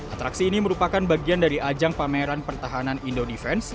atraksi ini merupakan bagian dari ajang pameran pertahanan indodefense